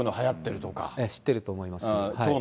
知ってると思います。